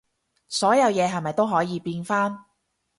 所有嘢係咪都可以變返